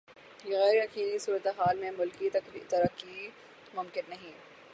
غیر یقینی صورتحال میں ملکی ترقی ممکن نہیں